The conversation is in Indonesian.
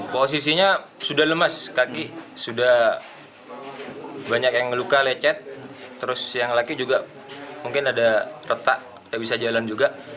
posisinya sudah lemas kaki sudah banyak yang luka lecet terus yang laki juga mungkin ada retak tidak bisa jalan juga